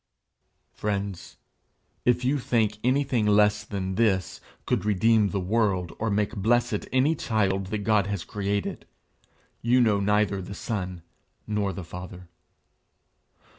Friends, if you think anything less than this could redeem the world, or make blessed any child that God has created, you know neither the Son nor the Father.